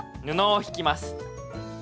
布を敷きます。